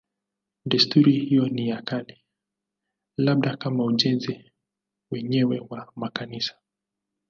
Desturi hiyo ni ya kale, labda kama ujenzi wenyewe wa makanisa.